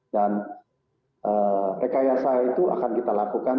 dan rekayasa itu akan kita lakukan